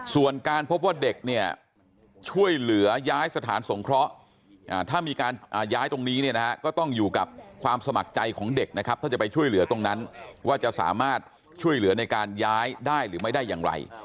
ส่วนการพบว่าเด็กเนี่ยช่วยเหลือย้ายสถานสงเคราะห์ถ้ามีการย้ายตรงนี้เนี่ยนะฮะก็ต้องอยู่กับความสมัครใจของเด็กนะครับถ้าจะไปช่วยเหลือตรงนั้นว่าจะสามารถช่วยเหลือในการย้ายได้หรือไม่ได้อย่างไร